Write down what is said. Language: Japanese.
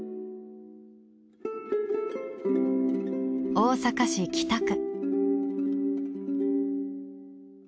大阪市北区。